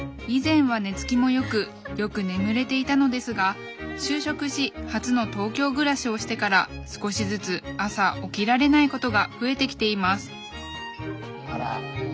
以前は寝つきも良くよく眠れていたのですが就職し初の東京暮らしをしてから少しずつ朝起きられないことが増えてきていますあら！